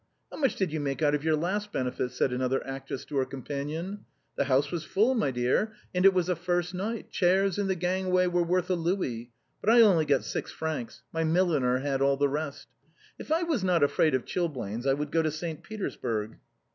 "How much did you make out of your last benefit?" said another actress to her companion. *' The house was full, my dear, and it was a first night; chairs in the aisle were worth a louis. But I only got six francs; my milliner had all the rest. If I was not afraid of chilblains, I would go to Saint Petersburg."